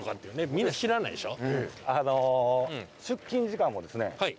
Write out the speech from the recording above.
みんな知らないでしょ。